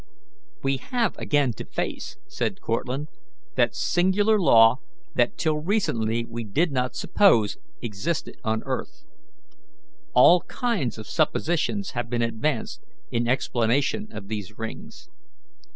"We have again to face," said Cortlandt, "that singular law that till recently we did not suppose existed on earth. All kinds of suppositions have been advanced in explanation of these rings.